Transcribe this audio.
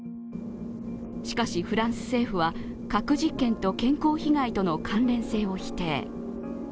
しかしフランス政府は、核実験と健康被害との関連性を否定。